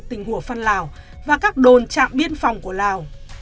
tỉnh hùa phân lào và các đồn trạm biên phòng của lào